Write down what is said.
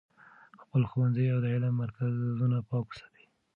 خپل ښوونځي او د علم مرکزونه پاک وساتئ.